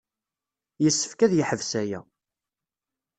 Yessefk ad yeḥbes aya.